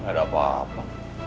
gak ada apa apa